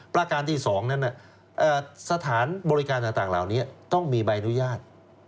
ประการที่๒นั้นสถานบริการต่างเหล่านี้ต้องมีใบอนุญาต